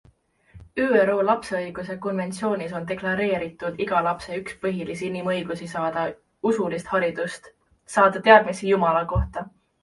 ÜRO lapseõiguse konventsioonis on deklareeritud iga lapse üks põhilisi inimõigusi saada usulist haridust, saada teadmisi Jumala kohta.